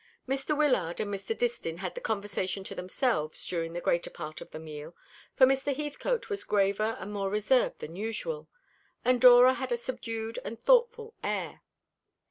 Mr. Wyllard and Mr. Distin had the conversation to themselves during the greater part of the meal, for Mr. Heathcote was graver and more reserved than usual, and Dora had a subdued and thoughtful air.